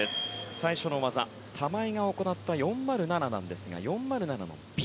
最初の技、玉井が行った４０７ですが４０７のＢ。